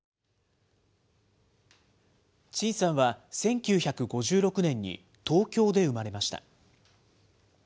陳さんは１９５６年に、東京で生まれました。